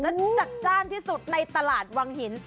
และจัดจ้านที่สุดในตลาดวังหิน